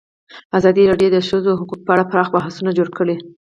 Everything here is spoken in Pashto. ازادي راډیو د د ښځو حقونه په اړه پراخ بحثونه جوړ کړي.